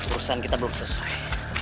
urusan kita belum selesai